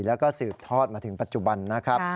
แล้วก็สืบทอดมาถึงปัจจุบันนะครับ